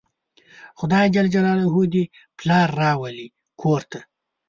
خدای ج دې پلار راولي کور ته